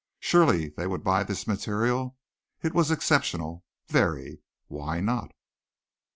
Surely they would buy this material. It was exceptional very. Why not?